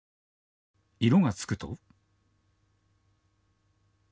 色がつくと。